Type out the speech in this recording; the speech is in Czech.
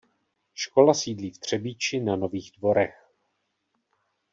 Škola sídlí v Třebíči na Nových Dvorech.